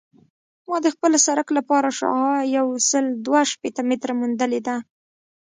ما د خپل سرک لپاره شعاع یوسل دوه شپیته متره موندلې ده